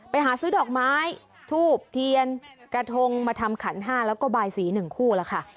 ไปหาซื้อดอกไม้ทูบเทียนกระทงมาทำขันห้าแล้วก็บายสี๑คู่ล่ะค่ะ